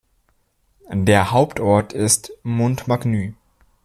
Der Hauptort ist Montmagny.